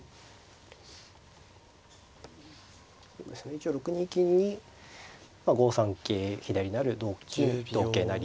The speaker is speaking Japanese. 一応６二金に５三桂左成同金同桂成